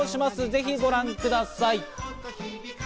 ぜひご覧ください。